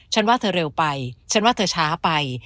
ว่าเธอเร็วไปฉันว่าเธอช้าไป